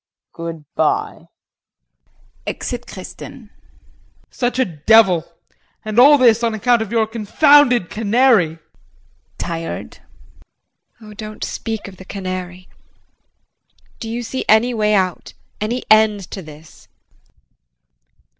Good bye. [Exit Kristin.] JEAN. Such a devil. And all this on account of your confounded canary! JULIE [Tired]. Oh, don't speak of the canary do you see any way out any end to this?